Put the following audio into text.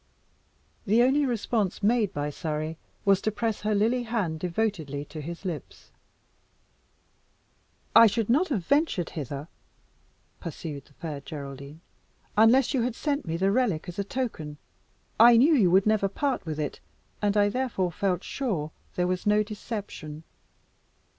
The only response made by Surrey was to press her lily hand devotedly to his lips. "I should not have ventured hither," pursued the Fair Geraldine, "unless you had sent me the relic as a token. I knew you would never part with it, and I therefore felt sure there was no deception."